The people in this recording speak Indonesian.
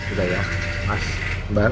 udah ya mas